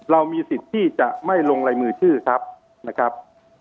เรามีสิทธิ์ที่จะไม่ลงลายมือชื่อทรัพย์นะครับ